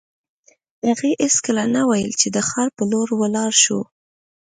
هغې هېڅکله نه ویل چې د ښار په لور ولاړ شو